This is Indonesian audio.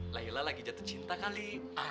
laila lagi jatuh cinta kali